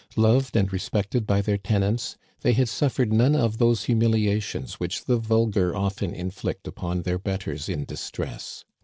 Loved and respected by their ten ants, they had suffered none of those humiliations which the vulgar often inflict upon their betters in distress.